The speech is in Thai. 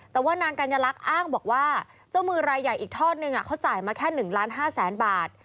แต่ว่านางกัญลักษณ์อ้างบอกว่าเจ้ามือรายใหญ่อีกทอดนึงเขาจ่ายมาแค่๑ล้าน๕แสนบาท